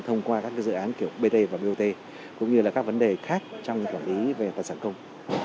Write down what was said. thông qua các dự án kiểu bt và bot cũng như là các vấn đề khác trong quản lý về tài sản công